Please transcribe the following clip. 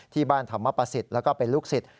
ที่บ้านธรรมปศิษย์แล้วก็เป็นลูกศิษย์